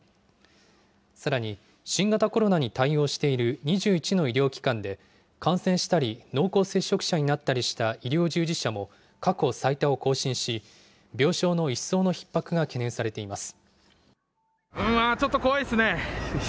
さらに新型コロナに対応している２１の医療機関で、感染したり濃厚接触者になったりした医療従事者も過去最多を更新し、病床の一層のひっ迫が懸念されています。